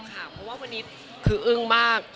เพราะว่าวันนี้คืออึ้งมาก